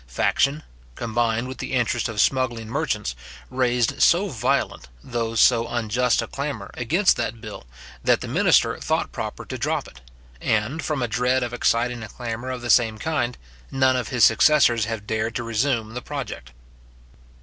Faction, combined with the interest of smuggling merchants, raised so violent, though so unjust a clamour, against that bill, that the minister thought proper to drop it; and, from a dread of exciting a clamour of the same kind, none of his successors have dared to resume the project.